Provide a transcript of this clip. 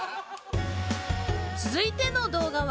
続いての動画は。